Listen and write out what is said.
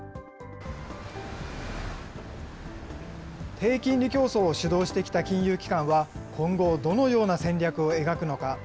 低金利競争を主導してきた金融機関は、今後、どのような戦略を描くのか。